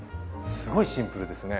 すごいシンプルですね。